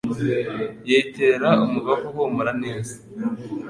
yitera Umubavu uhumura neza